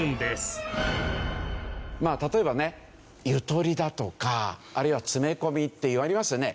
まあ例えばねゆとりだとかあるいは詰め込みって言われますよね。